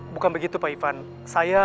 bukan begitu pak ivan saya